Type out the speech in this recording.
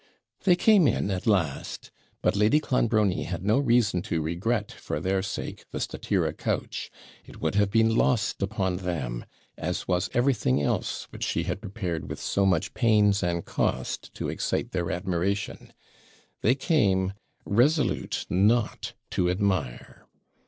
They came in at last. But Lady Clonbrony had no reason to regret for their sake the statira couch. It would have been lost upon them, as was everything else which she had prepared with so much pains and cost to excite their admiration, They came resolute not to admire.